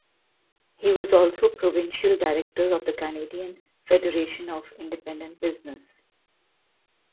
He was also provincial director of the Canadian Federation of Independent Business.